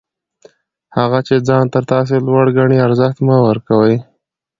هغه چي ځان تر تاسي لوړ ګڼي، ارزښت مه ورکوئ!